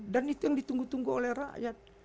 dan itu yang ditunggu tunggu oleh rakyat